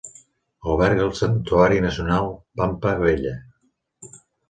Alberga al Santuari Nacional Pampa Bella.